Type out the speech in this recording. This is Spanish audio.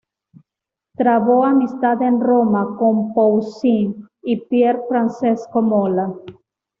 Trabó amistad en Roma con Poussin y Pier Francesco Mola.